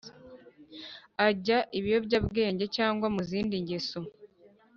ajya ibiyobyabwenge cyangwa mu zindi ngeso